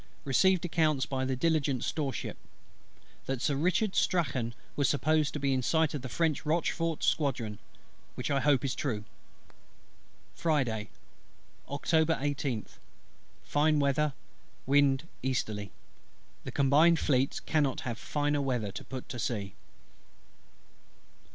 Received accounts by the Diligent storeship, that Sir RICHARD STRACHAN was supposed in sight of the French Rochefort squadron; which I hope is true. Friday, Oct. 18th. Fine weather: wind easterly. The Combined Fleets cannot have finer weather to put to sea.